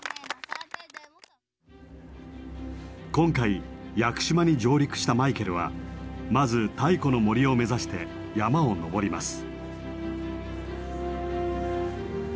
今回屋久島に上陸したマイケルはまず太古の森を目指して山を登ります。